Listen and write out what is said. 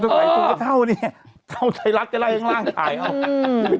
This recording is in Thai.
ถ่ายสตูก็เท่านี้เท่าใจรักได้ไล่ข้างล่างถ่ายเอาอืม